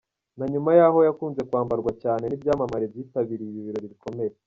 Na nyuma yaho yakunze kwambarwa cyane n’ibyamamare byitabiriye ibirori bikomeye.